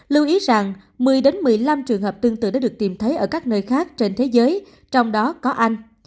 lưu ý rằng một mươi một mươi năm trường hợp tương tự đã được tìm thấy ở các nơi khác trên thế giới trong đó có anh